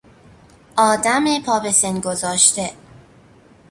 آدم پا به سن گذاشته